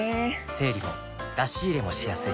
整理も出し入れもしやすい